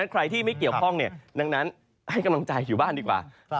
ใครที่ไม่เกี่ยวข้องดังนั้นให้กำลังใจอยู่บ้านดีกว่า